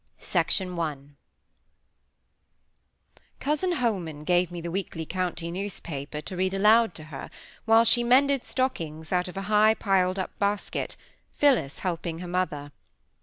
PART II Cousin Holman gave me the weekly county newspaper to read aloud to her, while she mended stockings out of a high piled up basket, Phillis helping her mother.